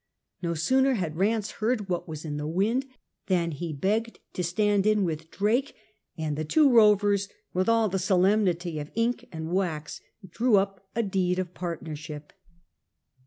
No sooner had Eanse heard what was in th^ wind than he begged to stand in with Drake, and the two rovers, with all the solemnity of ink and wax, drew up a deed of partnership.